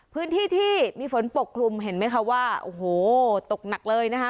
พื้นที่ที่มีฝนปกคลุมเห็นไหมคะว่าโอ้โหตกหนักเลยนะคะ